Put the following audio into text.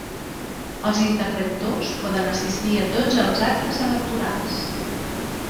Els interventors poden assistir a tots els actes electorals.